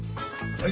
はい。